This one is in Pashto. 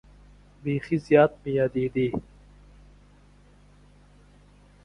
بیخي زیات مې یادېدې.